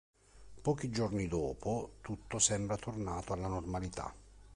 Pochi giorni dopo, tutto sembra tornato alla "normalità".